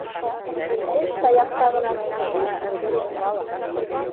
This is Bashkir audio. — Эш таяҡта ғына түгел, изге рухта ла...